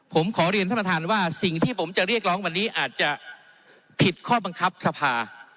ผมขอเรียนท่านประธานว่าสิ่งที่ผมจะเรียกร้องวันนี้อาจจะผิดข้อบังคับสภา